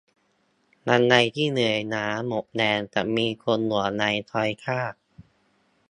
วันใดที่เหนื่อยล้าหมดแรงจะมีคนห่วงใยคอยท่า